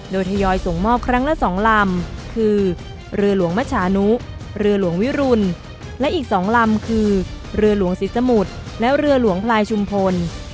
โดยทยอยส่งมอบครั้งละ๒ลำคือเรือหลวงมชานุเรือหลวงวิรุณและอีก๒ลำคือเรือหลวงศรีสมุทรและเรือหลวงพลายชุมพล